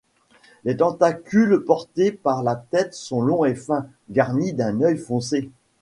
Les tentacules portés par la tête sont longs et fins, garnis d'un œil foncé.